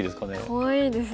かわいいですね。